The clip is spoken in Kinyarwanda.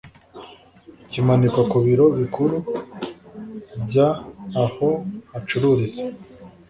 kimanikwa ku biro bikuru by aho acururiza